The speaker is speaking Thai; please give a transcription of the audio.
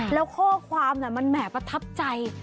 แล้วข้อความมันแหม่ประทับใจ